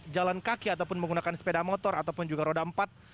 jalan kaki ataupun menggunakan sepeda motor ataupun juga roda empat